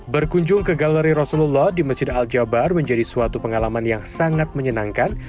berkunjung ke galeri rasulullah di masjid al jabar menjadi suatu pengalaman yang sangat menyenangkan